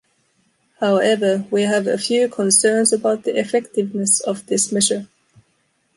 However, we have a few concerns about the effectiveness of this measure.